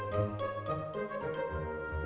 mama karir ya ngerasanya